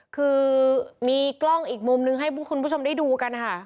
คือมีกล้องอีกมุมนึงให้คุณผู้ชมได้ดูกันนะคะ